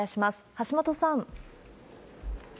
橋本さん。